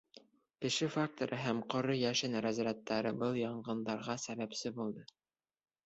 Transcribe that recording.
Кеше факторы һәм ҡоро йәшен разрядтары был янғындарға сәбәпсе булды.